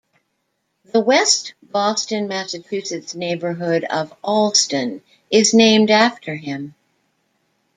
The west Boston, Massachusetts neighborhood of Allston is named after him.